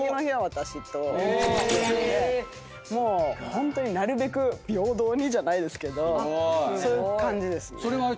ホントになるべく平等にじゃないですけどそういう感じです。